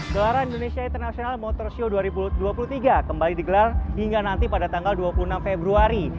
gelaran indonesia international motor show dua ribu dua puluh tiga kembali digelar hingga nanti pada tanggal dua puluh enam februari